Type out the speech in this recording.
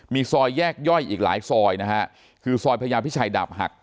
มีซอยแยกย่อยอีกหลายซอยนะฮะคือซอยพญาพิชัยดาบหัก